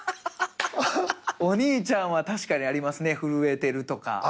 お兄ちゃんは確かにありますね震えてるとか。